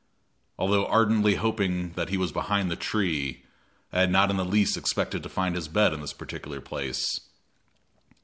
Although ardently hoping that he was behind the tree, I had not in the least expected to find his bed in this particular place.